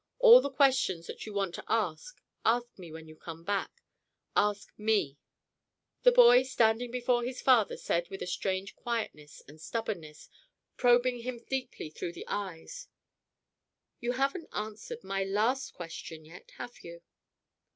All the questions that you want to ask, ask me when you come back. Ask me!" The boy standing before his father said with a strange quietness and stubbornness, probing him deeply through the eyes: "You haven't answered my last question yet, have you?"